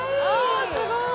あすごい。